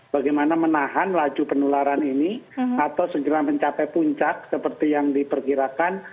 bagaimana menahan laju penularan ini atau segera mencapai puncak seperti yang diperkirakan